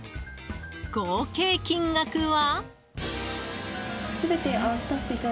合計金額は？